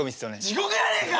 地獄やねえか！